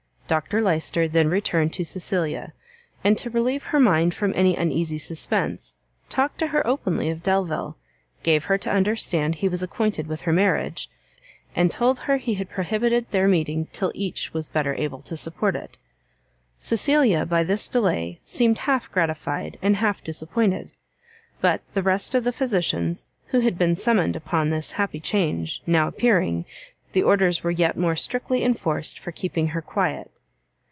Dr Lyster then returned to Cecilia, and to relieve her mind from any uneasy suspense, talked to her openly of Delvile, gave her to understand he was acquainted with her marriage, and told her he had prohibited their meeting till each was better able to support it. Cecilia by this delay seemed half gratified, and half disappointed; but the rest of the physicians, who had been summoned upon this happy change, now appearing, the orders were yet more strictly enforced for keeping her quiet.